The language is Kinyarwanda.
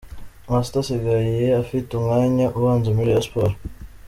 Master asigaye afite umwanya ubanza muri Rayon Sports.